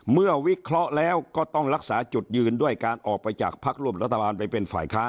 วิเคราะห์แล้วก็ต้องรักษาจุดยืนด้วยการออกไปจากพักร่วมรัฐบาลไปเป็นฝ่ายค้าน